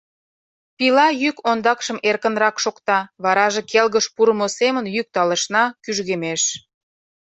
Пила йӱк ондакшым эркынрак шокта, вараже келгыш пурымо семын йӱк талышна, кӱжгемеш.